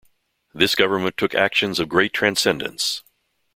This government took actions of great transcendence.